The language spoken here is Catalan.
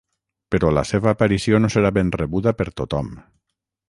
Però la seva aparició no serà ben rebuda per tothom.